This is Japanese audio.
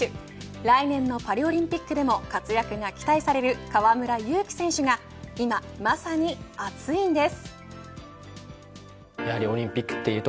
来年のパリオリンピックでも活躍が期待される河村勇輝選手が今まさに熱いんです。